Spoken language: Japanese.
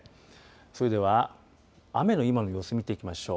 それでは雨の今の様子見ていきましょう。